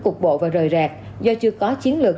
cục bộ và rời rạc do chưa có chiến lược